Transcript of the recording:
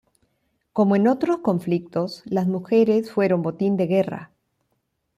Como en otros conflictos, las mujeres fueron botín de guerra.